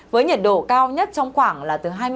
với nhiệt độ cao nhất trong khoảng là từ hai mươi ba